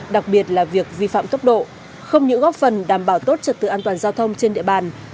đặc biệt là việc vi phạm tốc độ không những góp phần đảm bảo tốt trật tự an toàn giao thông trên địa bàn